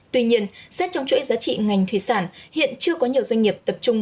tuy nhiên xét trong chuỗi giá trị ngành thủy sản hiện chưa có nhiều doanh nghiệp tập trung